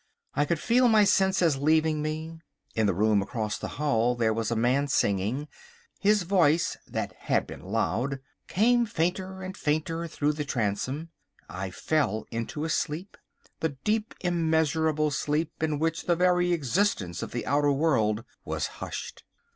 I could feel my senses leaving me. In the room across the hall there was a man singing. His voice, that had been loud, came fainter and fainter through the transom. I fell into a sleep, the deep immeasurable sleep in which the very existence of the outer world was hushed.